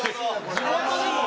地元でも？